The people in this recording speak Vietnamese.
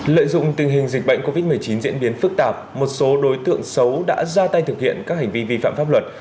lợi dụng tình hình dịch bệnh covid một mươi chín diễn biến phức tạp một số đối tượng xấu đã ra tay thực hiện các hành vi vi phạm pháp luật